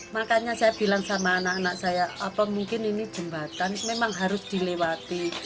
makanya saya bilang sama anak anak saya apa mungkin ini jembatan memang harus dilewati